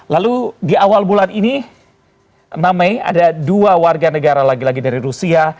lalu di awal bulan ini enam mei ada dua warga negara lagi lagi dari rusia